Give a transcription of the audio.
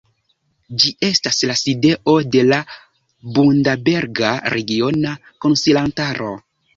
Ĝi estas la sidejo de la Bundaberga Regiona Konsilantaro.